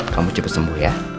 kamu cepet sembuh ya